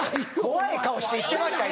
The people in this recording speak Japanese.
怖い顔して言ってました。